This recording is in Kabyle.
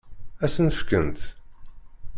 Ad sen-ten-fkent?